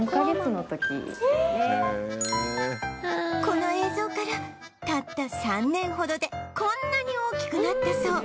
この映像からたった３年ほどでこんなに大きくなったそう